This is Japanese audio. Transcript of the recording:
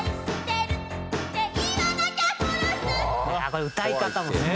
「これ歌い方も」